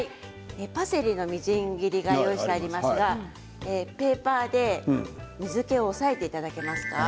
パセリのみじん切りが用意してありますがペーパーで水けを抑えていただけますか。